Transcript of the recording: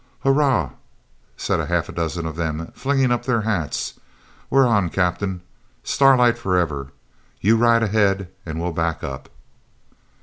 'Hurrah!' said half a dozen of them, flinging up their hats. 'We're on, Captain. Starlight for ever! You ride ahead and we'll back up.'